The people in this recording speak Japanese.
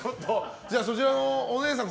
そちらのお姉さん